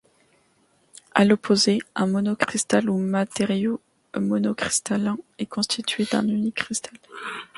A l'opposé, un monocristal ou matériau monocristallin est constitué d'un unique cristal.